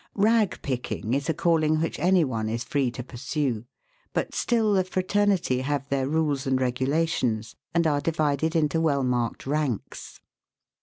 Rag picking is a calling which any one is free to pursue, but still the fraternity have their rules and regu lations, and are divided into well marked ranks.